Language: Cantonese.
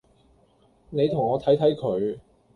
你同我睇睇佢